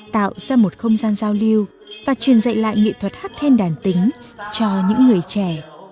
tạo ra một không gian giao lưu và truyền dạy lại nghị thuật hát then đàn tính cho những người trẻ